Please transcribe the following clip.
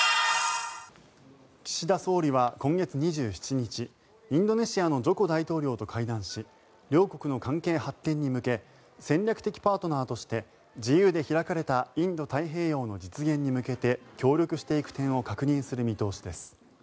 岸田総理は今月２７日インドネシアのジョコ大統領と会談し両国の関係発展に向け戦略的パートナーとして自由で開かれたインド太平洋の実現に向けて協力していく点を確認する見通しです。